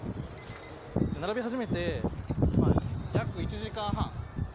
並び始めて約１時間半。